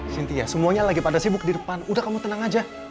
cynthia semuanya lagi pada sibuk di depan udah kamu tenang aja